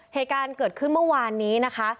เหตุการณ์เกิดขึ้นเมื่อวานนี้นะคะ